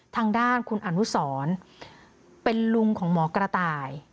ทางด้านคุณอนุสรเป็นลุงของหมอกระต่าย